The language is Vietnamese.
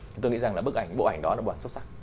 tôi nghĩ rằng là bức ảnh bộ ảnh đó là bộ ảnh xuất sắc